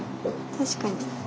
確かに。